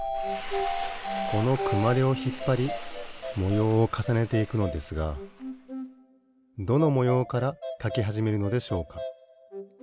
このくまでをひっぱりもようをかさねていくのですがどのもようからかきはじめるのでしょうか？